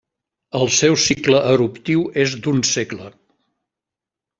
El seu cicle eruptiu és d'un segle.